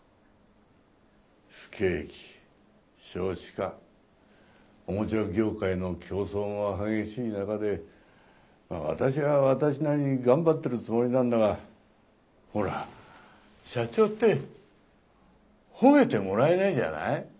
不景気少子化おもちゃ業界の競争も激しい中で私は私なりに頑張ってるつもりなんだがほら社長って褒めてもらえないじゃない？